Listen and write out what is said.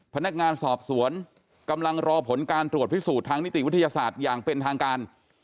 พนักงานสอบสวนกำลังรอผลการตรวจพิสูจน์ทางนิติวิทยาศาสตร์อย่างเป็นทางการ